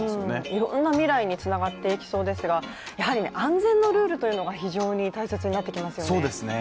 いろんな未来につながっていきそうですがやはり安全のルールというものが非常に大切になってきますよね。